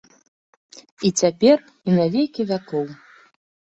І цяпер, і на векі вякоў!